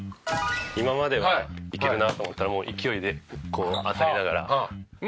今まではいけるなと思ったらもう勢いでこう当たりながら。